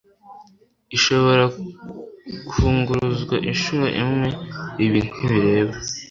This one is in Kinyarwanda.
ishobora kunguruzwa inshuro imwe Ibi ntibireba